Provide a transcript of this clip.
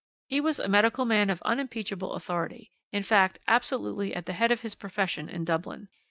He was a medical man of unimpeachable authority, in fact, absolutely at the head of his profession in Dublin.